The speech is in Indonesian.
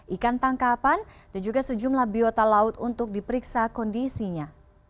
ikan tangkapan dan juga sejumlah biota laut untuk diperiksa kondisinya